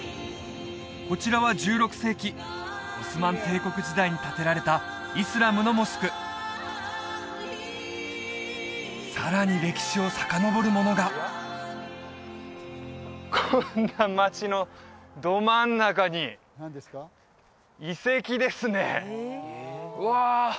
こちらは１６世紀オスマン帝国時代に建てられたイスラムのモスクさらに歴史をさかのぼるものがこんな街のど真ん中に遺跡ですねうわ！